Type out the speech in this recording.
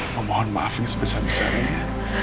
memohon maaf ini sebesar besarnya